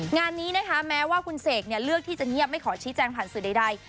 งานนี้นะคะแม้ว่าคุณเสกเลือกที่จะเงียบไม่ขอชี้แจงผ่านสื่อใด